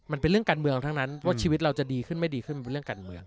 มันเป็นเรื่องการเมืองทั้งนั้นเพราะชีวิตเราจะดีขึ้นไม่ดีขึ้นมันเป็นเรื่องการเมือง